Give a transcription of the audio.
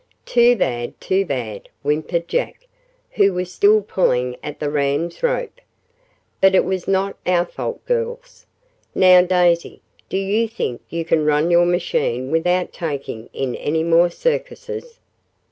"Too bad, too bad," whimpered Jack, who was still pulling at the ram's rope. "But it was not our fault, girls. Now, Daisy, do you think you can run your machine without taking in any more circuses?